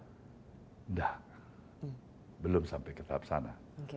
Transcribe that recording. tidak belum sampai ke tahap sana